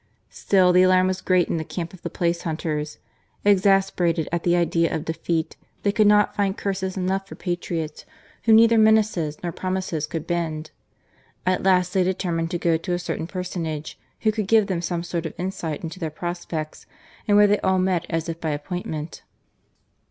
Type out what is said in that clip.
Still the alarm was great in the camp of the place hunters. Exasperated at the idea of defeat, they could not find curses enough for patriots, whom neither menaces nor promises could bend. At last they determined to go to a certain personage who could give them some sort of insight into their pros pects, and where they all met as if by appointment.